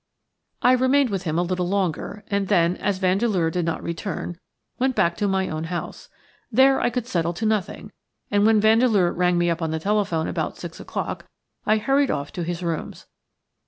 I remained with him a little longer, and then, as Vandeleur did not return, went back to my own house. There I could settle to nothing, and when Vandeleur rang me up on the telephone about six o'clock I hurried off to his rooms.